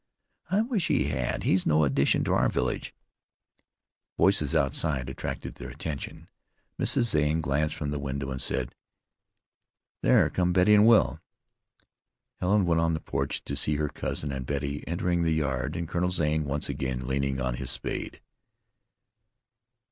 "I wish he had. He's no addition to our village." Voices outside attracted their attention. Mrs. Zane glanced from the window and said: "There come Betty and Will." Helen went on the porch to see her cousin and Betty entering the yard, and Colonel Zane once again leaning on his spade.